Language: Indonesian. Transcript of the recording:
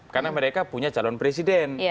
karena mereka punya calon presiden